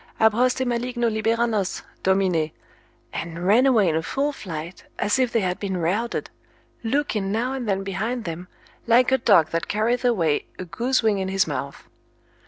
Ab hoste maligno libera nos, Domine, and ran away in a full flight, as if they had been routed, looking now and then behind them, like a dog that carrieth away a goose wing in his mouth.